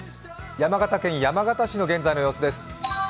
山形県山形市の現在の様子です。